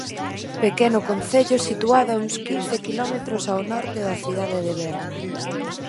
Pequeno concello situado a uns quince quilómetros ao norte da cidade de Berna.